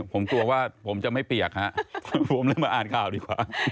ผมกลัวว่าผมจะไม่เปียกฮะผมเลยมาอ่านข่าวดีกว่า